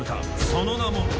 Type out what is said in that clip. その名も。